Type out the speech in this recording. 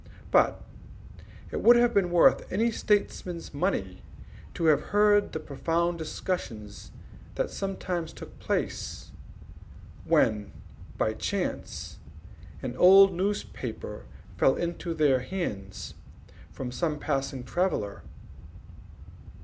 But it would have been worth any statesman's money to have heard the profound discussions that sometimes took place, when by chance an old newspaper fell into their hands from some passing traveller.